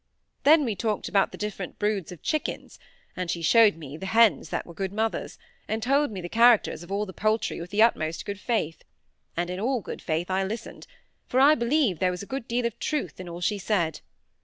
Then we talked about the different broods of chickens, and she showed me the hens that were good mothers, and told me the characters of all the poultry with the utmost good faith; and in all good faith I listened, for I believe there was a good deal of truth in all she said.